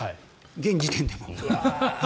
現時点でもう。